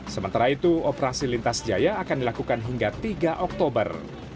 sementara itu operasi lintas jaya akan dilakukan hingga tiga oktober